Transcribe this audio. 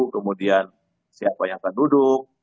kemudian siapa yang akan duduk